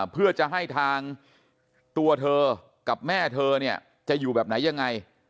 เพื่อจะให้ทางตัวเธอกับแม่เธอเนี่ยจะอยู่แบบไหนยังไง